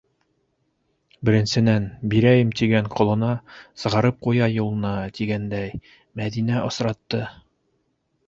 Беренсенән, бирәйем тигән ҡолона сығарып ҡуя юлына, тигәндәй, Мәҙинәне осратты.